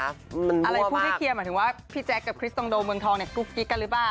อะไรพูดไม่เคลียร์หมายถึงว่าพี่แจ๊คกับคริสตองโดเมืองทองเนี่ยกุ๊กกิ๊กกันหรือเปล่า